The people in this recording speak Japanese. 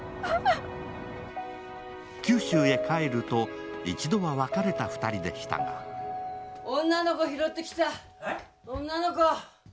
九州へ帰ると一度は別れた２人でしたが女の子拾ってきた女の子えっ？